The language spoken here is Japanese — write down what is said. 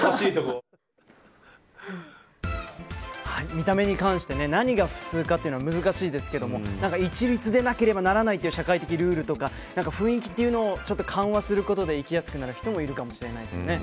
見た目に関して何が普通かというのは難しいですが一律でなければならないという社会的ルールや雰囲気を緩和することで生きやすくなる人もいるかもしれませんね。